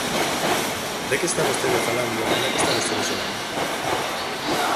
¿De que está vostede falando e a que está vostede xogando?